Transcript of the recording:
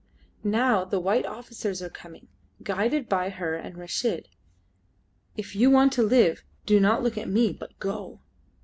Now the white officers are coming, guided by her and Reshid. If you want to live, do not look at me, but go!"